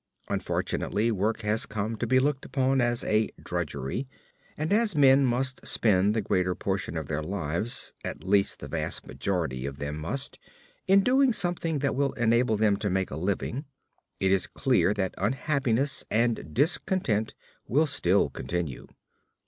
Unfortunately work has come to be looked upon as a drudgery and as men must spend the greater portion of their lives, at least the vast majority of them must, in doing something that will enable them to make a living, it is clear that unhappiness and discontent will still continue.